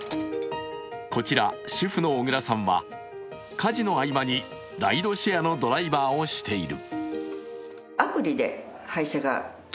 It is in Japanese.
こちら主婦の小倉さんは家事の合間にライドシェアのドライバーをしている。